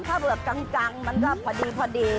ถ้าเลือดกลางมันก็พอดี